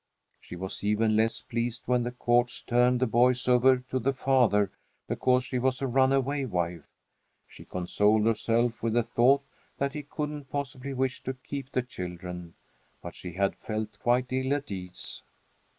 She was even less pleased when the courts turned the boys over to the father because she was a run away wife. She consoled herself with the thought that he couldn't possibly wish to keep the children; but she had felt quite ill at ease.